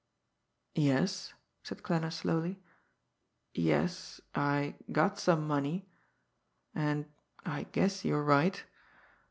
"Yes," said Klanner slowly. "Yes, I got some money and I guess you're right.